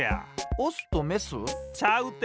オスとメス？ちゃうって。